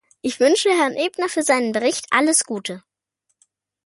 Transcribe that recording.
Ich wünsche Herrn Ebner für seinen Bericht alles Gute.